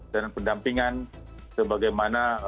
dan pendampingan sebagaimana